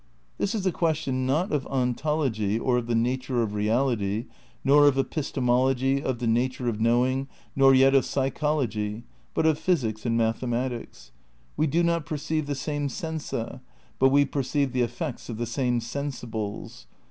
This is a question, not of ontology, of the nature of reality, nor of episte mology, of the nature of knowing, nor yet of psychol ogy, but of physics and mathematics. We do not per ceive the same sensa, but we perceive the effects of the same sensibles.